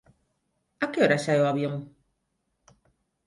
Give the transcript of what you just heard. A que hora sae o avión?